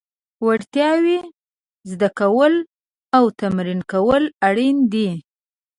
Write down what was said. وړتیاوې زده کول او تمرین کول اړین دي.